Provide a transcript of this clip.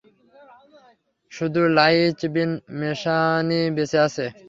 শুধু লাঈছ বিন মোশানই বেঁচে আছে।